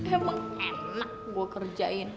emang enak gue kerjain